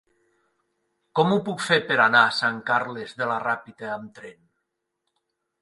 Com ho puc fer per anar a Sant Carles de la Ràpita amb tren?